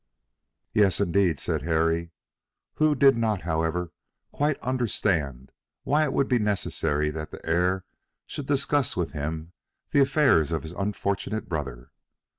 "Yes, indeed," said Harry, who did not, however, quite understand why it would be necessary that the heir should discuss with him the affairs of his unfortunate brother.